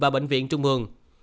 bệnh viện trung mường